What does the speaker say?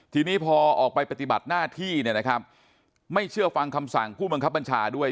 ทีนี้พอออกไปปฏิบัติหน้าที่เนี่ยนะครับไม่เชื่อฟังคำสั่งผู้บังคับบัญชาด้วย